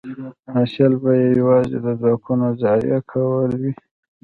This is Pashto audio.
حاصل به یې یوازې د ځواکونو ضایع کول وي